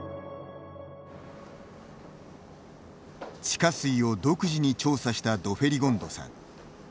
地下水を独自に調査したドフェリゴンドさん。